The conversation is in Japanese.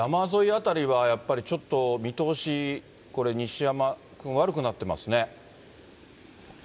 辺りはやっぱり、ちょっと見通し、これ、西山君、悪くなってますね。